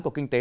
của kinh tế